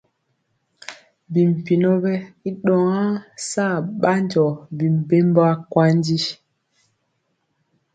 Bimpinɔ wɛ i ɗɔŋa saa ɓanjɔ bimbembɔ akwandi.